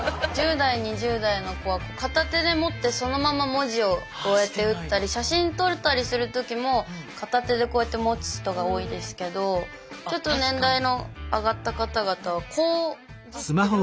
１０代２０代の子は片手で持ってそのまま文字をこうやって打ったり写真撮ったりする時も片手でこうやって持つ人が多いですけどちょっと年代の上がった方々はこういじってる。